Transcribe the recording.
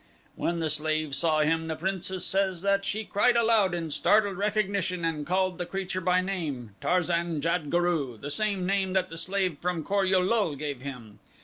When the slave saw him the princess says that she cried aloud in startled recognition and called the creature by name Tarzan jad guru the same name that the slave from Kor ul lul gave him.